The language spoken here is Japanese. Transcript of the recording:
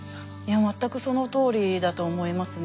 全くそのとおりだと思いますね。